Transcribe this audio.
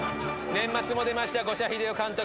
年末も出ました五社英雄監督。